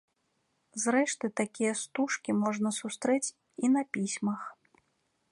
Зрэшты, такія стужкі можна сустрэць і на пісьмах.